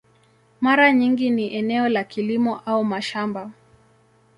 Mara nyingi ni eneo la kilimo au mashamba.